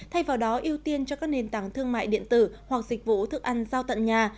thay vào đó ưu tiên cho các nền tảng thương mại điện tử hoặc dịch vụ thức ăn giao tận nhà